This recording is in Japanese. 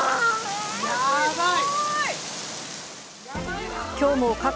やばい！